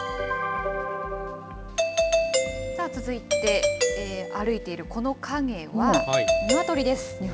続いて、歩いているこの影はニワトリです。